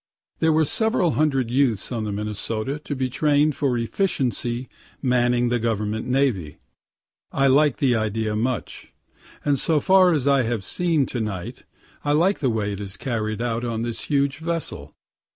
There are several hundred youths on the Minnesota to be train'd for efficiently manning the government navy. I like the idea much; and, so far as I have seen to night, I like the way it is carried out on this huge vessel.